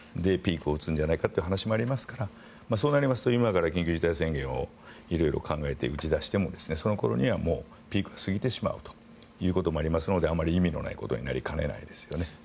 ピークを打つんじゃないかという話もありますからそうなると今から緊急事態宣言を色々考えて打ち出してもその頃にはピークを過ぎてしまうことになってあまり意味のないことになりかねないですよね。